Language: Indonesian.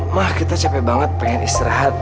mah kita capek banget pengen istirahat